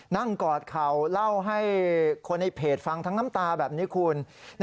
กอดเข่าเล่าให้คนในเพจฟังทั้งน้ำตาแบบนี้คุณ